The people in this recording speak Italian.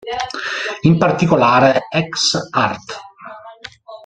In particolare, ex art.